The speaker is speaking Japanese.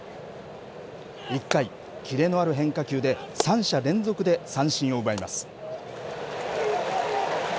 １回、キレのある変化球で３者連続で三振を奪います。